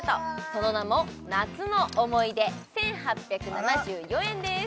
その名も夏の思ひ出１８７４円です